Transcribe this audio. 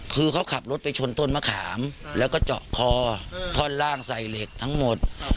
คือเขาขับรถไปชนต้นมะขามแล้วก็เจาะคอท่อนล่างใส่เหล็กทั้งหมด